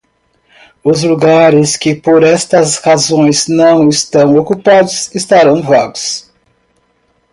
Os lugares que por estas razões não estão ocupados estarão vagos.